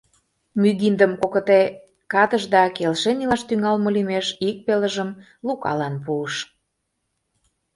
Мӱгиндым кокыте катыш да келшен илаш тӱҥалме лӱмеш ик пелыжым Лукалан пуыш.